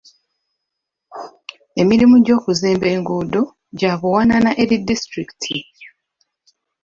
Emirimu gy'okuzimba enguudo gya buwanana eri disitulikiti.